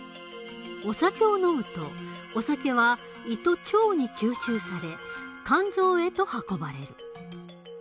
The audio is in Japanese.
お酒を飲むとお酒は胃と腸に吸収され肝臓へと運ばれる。